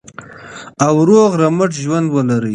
او روغ رمټ ژوند ولرئ.